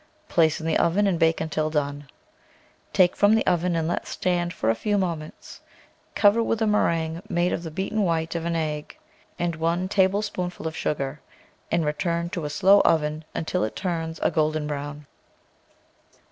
Place in the oven and bake until done; take from the oven and let stand for a few moments, cover with a meringue made of the beaten white of an egg and one tablespoon PERENNIAL VEGETABLES ful of sugar, and return to a slow oven until it turns a golden brown.